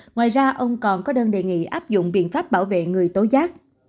ngoài ra ông còn có đơn đề nghị áp dụng biện pháp bảo vệ người tố giác